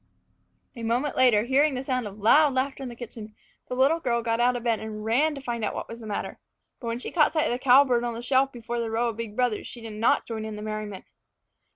A moment later, hearing the sound of loud laughter in the kitchen, the little girl got out of bed and ran to find out what was the matter. But when she caught sight of the cowbird on the shelf before the row of big brothers, she did not join in the merriment.